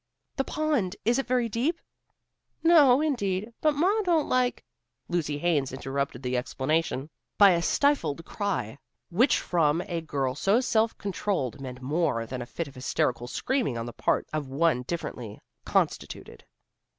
"The pond! Is it very deep?" "No, indeed. But ma don't like " Lucy Haines interrupted the explanation by a stifled cry, which from a girl so self controlled meant more than a fit of hysterical screaming on the part of one differently constituted.